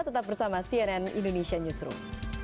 tetap bersama cnn indonesia newsroom